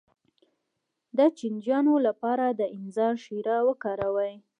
د چینجیانو لپاره د انځر شیره وکاروئ